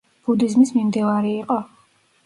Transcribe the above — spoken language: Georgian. ბუდიზმის მიმდევარი იყო.